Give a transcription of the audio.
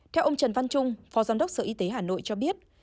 theo ông trần văn trung phó giám đốc sở y tế hà nội cho biết